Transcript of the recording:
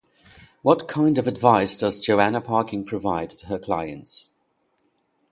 What kind of advice does Joanna Parkin provide to her clients?